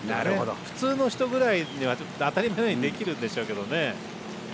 普通の人ぐらいは当たり前にできるんでしょうけどね。